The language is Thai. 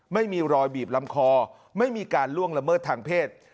ไม่มีรอยบีบลำคอไม่มีการล่วงละเมิดทางเพศ